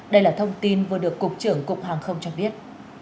đây là thông tin vừa được cục trưởng cục hàng không cho biết